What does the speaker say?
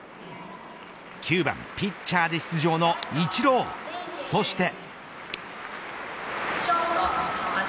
９番ピッチャーで出場のイチローそして。